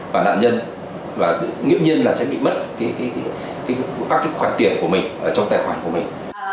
và đoạn nhân nghiêm nhiên là sẽ bị mất các cái khoản tiền của mình ở trong tài khoản của mình